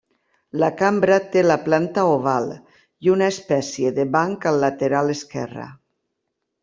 La cambra té la planta oval i una espècie de banc al lateral esquerre.